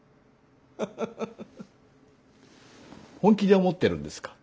ハハハハ本気で思ってるんですか？